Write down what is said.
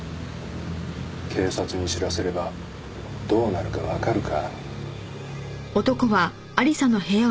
警察に知らせればどうなるかわかるか？